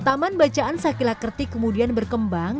taman bacaan sakila kerti kemudian berkembang